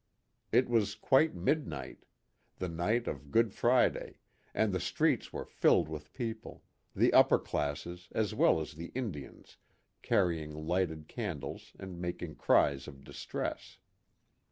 It was quite midnight ; the night of Good Friday, and the streets were filled with people, the upper classes as well as the Indians carry ing lighted candles and making cries of distress.